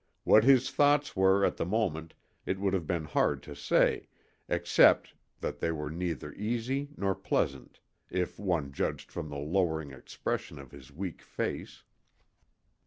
What his thoughts were at the moment it would have been hard to say, except that they were neither easy nor pleasant, if one judged from the lowering expression of his weak face.